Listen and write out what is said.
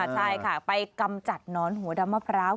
ใช่ค่ะไปกำจัดหนอนหัวดำมะพร้าว